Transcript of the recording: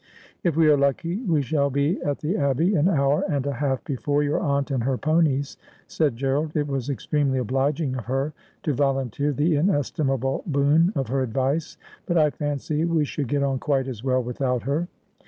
' If we are lucky we shall be at the Abbey an hour and a half before your aunt and her ponies,' said Gerald. ' It was extremely obliging of her to volunteer the inestimable boon of her advice, but I fancy we should get on quite as well without her.'